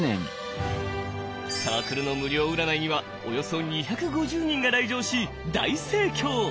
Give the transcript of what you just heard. サークルの無料占いにはおよそ２５０人が来場し大盛況！